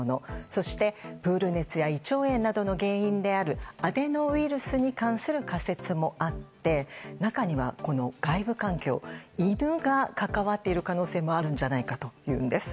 そして、プール熱や胃腸炎などの原因であるアデノウイルスに関する仮説もあって、中には外部環境犬が関わっている可能性もあるんじゃないかというんです。